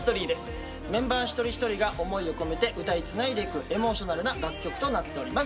メンバー一人一人が思いを込めて歌いつないでいくエモーショナルな楽曲となっております。